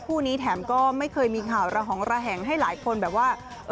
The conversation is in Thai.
คู่นี้แถมก็ไม่เคยมีข่าวระหองระแหงให้หลายคนแบบว่า